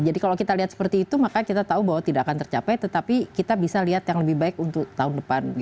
jadi kalau kita lihat seperti itu maka kita tahu bahwa tidak akan tercapai tetapi kita bisa lihat yang lebih baik untuk tahun depan